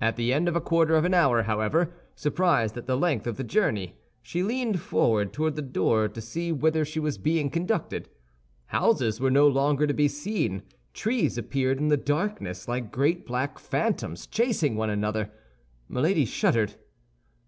At the end of a quarter of an hour, however, surprised at the length of the journey, she leaned forward toward the door to see whither she was being conducted. Houses were no longer to be seen; trees appeared in the darkness like great black phantoms chasing one another. Milady shuddered.